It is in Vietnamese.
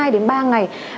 hai đến ba ngày